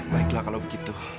baiklah kalau begitu